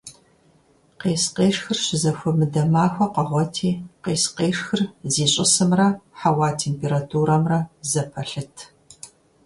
Къес-къешхыр щызэхуэмыдэ махуэ къэгъуэти къес-къешхыр зищӀысымрэ хьэуа температурэмрэ зэпэлъыт.